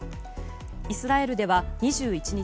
イスラエルでは２１日